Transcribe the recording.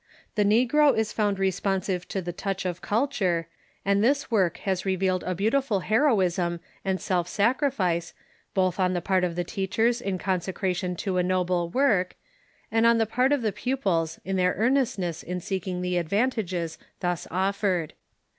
The negro is found responsive to the touch of culture, and this work has revealed a beautiful heroism and self sacrifice both on the part of the teachers in consecration to a noble work, and on the part of pupils in their earnestness in seeking the advantages thus offered.